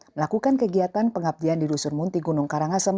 melakukan kegiatan pengabdian di dusun munti gunung karangasem